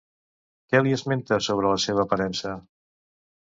Què li esmenta sobre la seva aparença?